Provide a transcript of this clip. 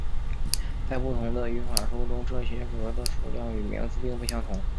在不同的语法书中这些格的数量与名字并不相同。